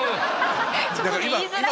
ちょっと言いづらい。